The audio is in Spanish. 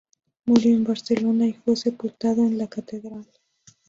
Murió en Barcelona y fue sepultado en la catedral.